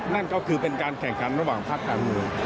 นั่นก็คือเป็นการแข่งขันระหว่างภาคการเมือง